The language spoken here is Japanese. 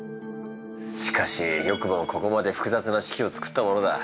しかしよくもここまでふくざつな式を作ったものだ。